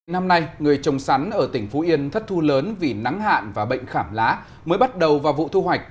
năm nay người trồng sắn ở tỉnh phú yên thất thu lớn vì nắng hạn và bệnh khảm lá mới bắt đầu vào vụ thu hoạch